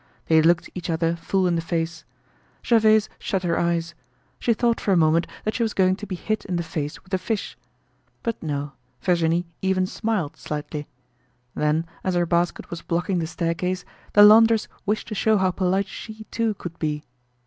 They looked each other full in the face. Gervaise shut her eyes. She thought for a moment that she was going to be hit in the face with the fish. But no, Virginie even smiled slightly. Then, as her basket was blocking the staircase, the laundress wished to show how polite she, too, could be.